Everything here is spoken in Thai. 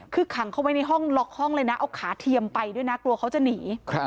คือขังเขาไว้ในห้องล็อกห้องเลยนะเอาขาเทียมไปด้วยนะกลัวเขาจะหนี